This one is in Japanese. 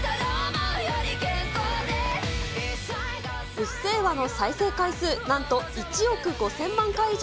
うっせぇわの再生回数、なんと１億５０００万回以上。